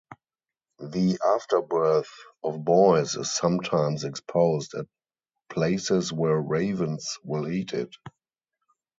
The afterbirth of boys is sometimes exposed at places where ravens will eat it.